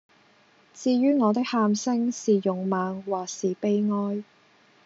至于我的喊聲是勇猛或是悲哀，